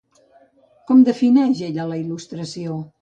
Com defineix ella la il·lustració?